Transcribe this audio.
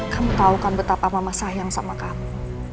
kamu tau kan betapa mama sayang sama kamu